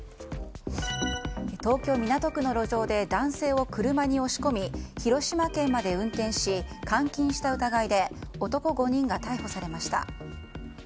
東京・港区の路上で男性を車に押し込み広島県まで運転し監禁した疑いで男５人が逮捕されました。